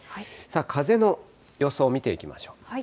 風の予想を見ていきましょう。